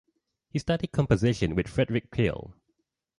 He studied composition with Friedrich Kiel.